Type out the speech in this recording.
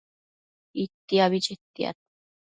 Itiabi chetiad